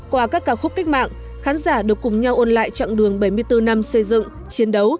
qua các ca khúc cách mạng khán giả được cùng nhau ôn lại chặng đường bảy mươi bốn năm xây dựng chiến đấu